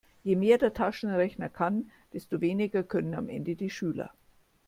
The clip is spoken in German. Je mehr der Taschenrechner kann, desto weniger können am Ende die Schüler.